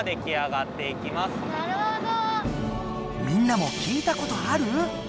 みんなも聞いたことある？